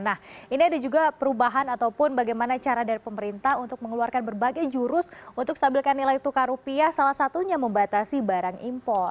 nah ini ada juga perubahan ataupun bagaimana cara dari pemerintah untuk mengeluarkan berbagai jurus untuk stabilkan nilai tukar rupiah salah satunya membatasi barang impor